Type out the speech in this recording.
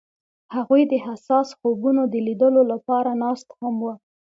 هغوی د حساس خوبونو د لیدلو لپاره ناست هم وو.